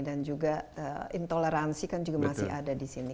dan juga intoleransi kan juga masih ada di sini